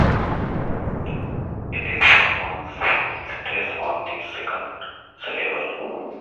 It is pronounced with stress on the second syllable.